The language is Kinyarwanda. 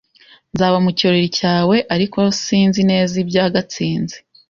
Nzaba mu kirori cyawe, ariko sinzi neza ibya Gatsinzi.